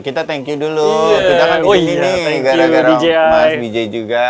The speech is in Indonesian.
kita thank you dulu kita kan di sini gara gara mas wijay juga